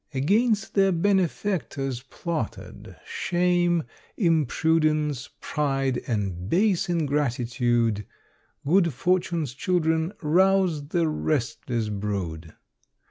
Against their benefactors plotted; shame, Imprudence, pride, and base ingratitude, Good Fortunes children, roused the restless brood.